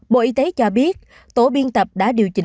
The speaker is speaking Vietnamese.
bộ y tế cho biết tổ biên tập đã điều chỉnh